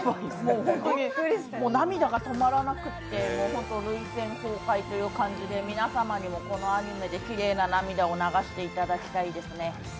涙が止まらなくて涙腺崩壊という感じで皆様にも、このアニメできれいな涙を流していただきたいですね。